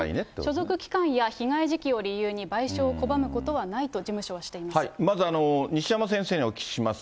所属機関や被害時期を理由に賠償を拒むことはないと事務所はまず西山先生にお聞きします。